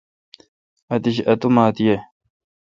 آتش اوماتھ ییں۔